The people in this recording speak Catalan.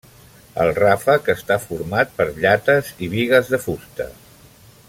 El ràfec està format per llates i bigues de fusta.